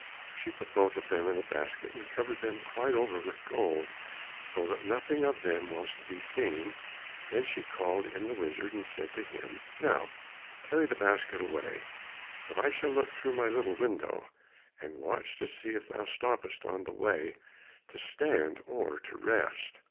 She put both of them in a basket and covered them quite over with gold, so that nothing of them was to be seen, then she called in the wizard and said to him, "Now carry the basket away, but I shall look through my little window and watch to see if thou stoppest on the way to stand or to rest."